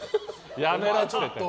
やめろって。